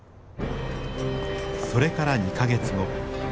それから２か月後。